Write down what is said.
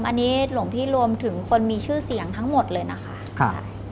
อันนี้หลวงพี่รวมถึงคนมีชื่อเสียงทั้งหมดเลยนะคะใช่